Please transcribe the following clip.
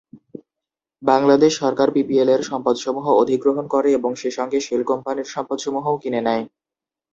বাংলাদেশ সরকার পিপিএল-এর সম্পদসমূহ অধিগ্রহণ করে এবং সেসঙ্গে শেল কোম্পানির সম্পদসমূহও কিনে নেয়।